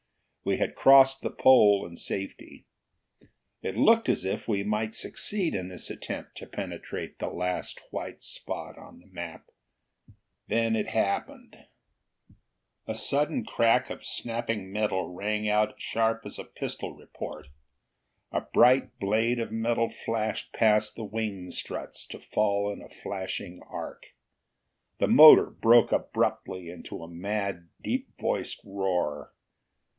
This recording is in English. We had crossed the pole in safety. It looked as if we might succeed in this attempt to penetrate the last white spot on the map. Then it Happened. A sudden crack of snapping metal rang out sharp as a pistol report. A bright blade of metal flashed past the wing struts, to fall in a flashing arc. The motor broke abruptly into a mad, deep voiced roar.